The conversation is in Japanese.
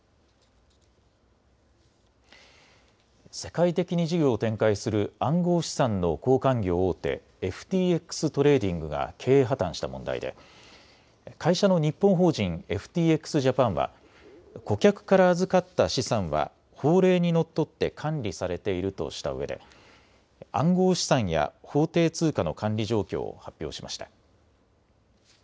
世界的に事業を展開する暗号資産の交換業大手、ＦＴＸトレーディングが経営破綻した問題で会社の日本法人ＦＴＸジャパンは顧客から預かった資産は法令にのっとって管理されているとしたうえで暗号資産や法定通貨の管理状況を発表しました。